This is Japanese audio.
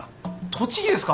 栃木ですか？